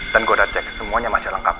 dan gue udah cek semuanya masih lengkap